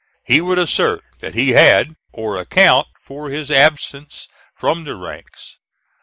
He would assert that he had, or account for his absence from the ranks.